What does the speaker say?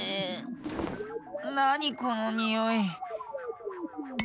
なにこのにおい？